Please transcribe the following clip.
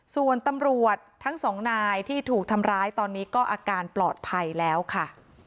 ส่วนตำรวจทั้งสองนายที่ถูกทำร้ายตอนนี้ก็อาการปลอดภัยแล้วค่ะ